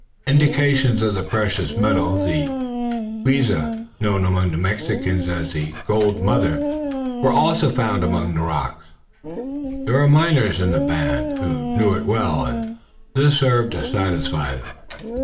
Indications of the precious metal, the quixa, known among the Mexicans as the "gold mother," were also found among the rocks. There were miners in the band, who knew it well, and this served to satisfy them.